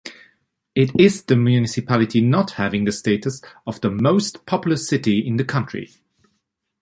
It is the municipality not having the status of the most populous city in the country.